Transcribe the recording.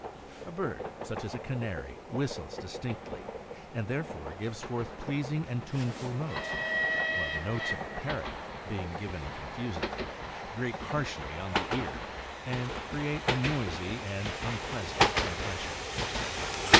A bird, such as a canary, whistles distinctly, and there fore gives forth pleasing and tuneful notes, while the notes of a parrot, being given confusedly, grate harshly on the ear, and create a noisy and unpleasant impression.